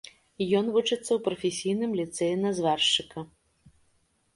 Ён вучыцца ў прафесійным ліцэі на зваршчыка.